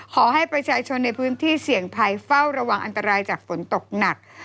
ขอให้ประชาชนในพื้นที่เสี่ยงภัยเฝ้าระวังอันตรายจากฝนตกหนัก